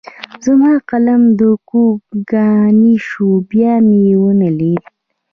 زما قلم د کوړم کاڼی شو؛ بيا مې و نه ليد.